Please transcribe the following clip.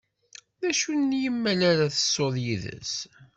D acu n yimmal ara tesɛuḍ yid-s?